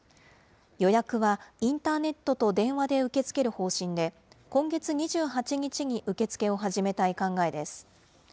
予約はインターネットと電話で受け付ける方針で、今月２８日に受け付けを始めたい考えです。